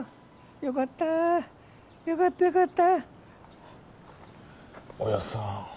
よかったよかったよかったおやっさん